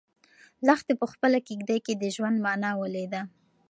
لښتې په خپله کيږدۍ کې د ژوند مانا ولیده.